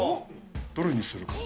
どれにするか。